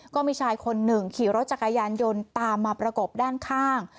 ก็มีชายคนหนึ่งขี่รถจักรยานยนต์ตามมาประกบด้านข้าง